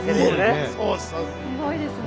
すごいですね。